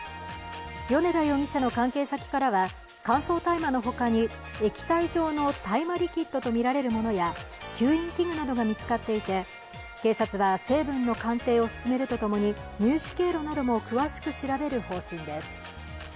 米田容疑者の関係先からは乾燥大麻のほかに、液体状の大麻リキッドとみられるものや吸引器具などが見つかっていて警察は成分の鑑定を進めるとともに、入手経路なども詳しく調べる方針です。